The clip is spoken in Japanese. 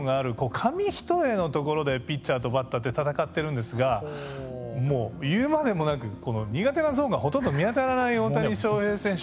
紙一重のところでピッチャーとバッターって戦っているんですがもう言うまでもなく苦手なゾーンがほとんど見当たらない大谷翔平選手。